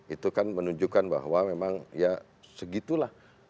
itu kan menunjukkan bahwa memang ya segitulah